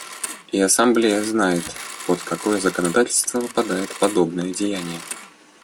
И Ассамблея знает, под какое законодательство подпадает подобное деяние.